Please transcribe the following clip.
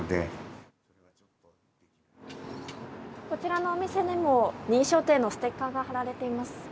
こちらのお店でも認証店のステッカーが貼られています。